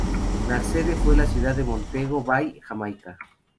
La sede fue la ciudad de Montego Bay, Jamaica.